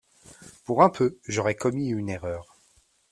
Pour un peu, j'aurais commis une erreur.